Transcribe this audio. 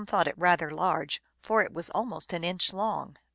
thought it rather large, for it was almost an inch long.